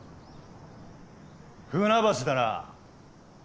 船橋だなぁ？